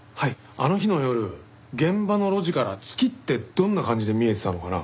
あの日の夜現場の路地から月ってどんな感じで見えてたのかな？